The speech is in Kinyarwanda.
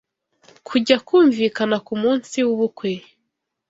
kujya kumvikana ku munsi w’ubukwe